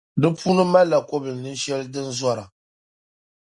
Di puuni malila kobilnin’ shɛli din kuli zɔra.